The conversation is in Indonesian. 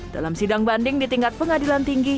dalam sidang banding di tingkat pengadilan tinggi